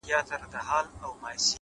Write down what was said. نیکه کړنه اوږد یاد پاتې کوي